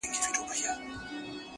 وګړي ډېر سول د نیکه دعا قبوله سوله،